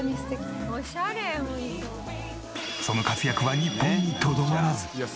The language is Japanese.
その活躍は日本にとどまらず。